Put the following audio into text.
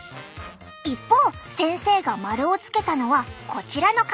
一方先生がマルを付けたのはこちらの方。